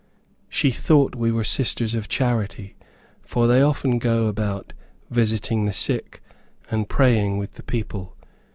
She thought we were Sisters of Charity, for they often go about visiting the sick, and praying with the people.